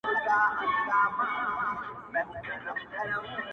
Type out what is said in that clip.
د ژوند په څو لارو كي’